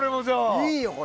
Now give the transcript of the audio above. いいよ、これ。